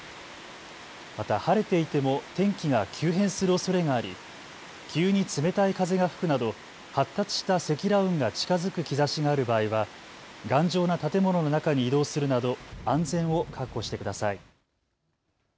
また晴れていても天気が急変するおそれがあり、急に冷たい風が吹くなど発達した積乱雲が近づく兆しがある場合は頑丈な建物の中に移動するなど安全を確保してください。